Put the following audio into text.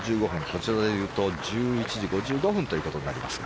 こちらでいうと１１時５５分ということになります。